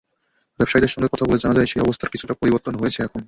ব্যবসায়ীদের সঙ্গে কথা বলে জানা যায়, সেই অবস্থার কিছুটা পরিবর্তন হয়েছে এখন।